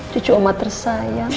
cucu mama tersayang